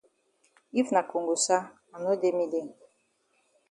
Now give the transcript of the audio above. If na kongosa I no dey me dey.